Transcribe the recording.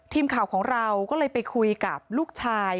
ทีมข่าวของเราก็เลยไปคุยกับลูกชาย